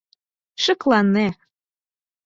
— Шеклане!